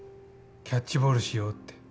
キャッチボールしようって。